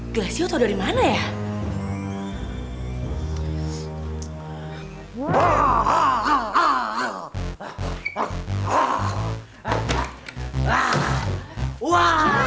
glassio tau dari mana ya